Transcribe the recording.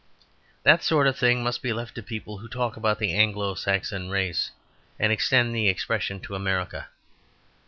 That sort of thing must be left to people who talk about the Anglo Saxon race, and extend the expression to America.